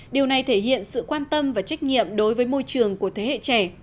điều này thể hiện sự quan tâm và trách nhiệm đối với môi trường của thế hệ trẻ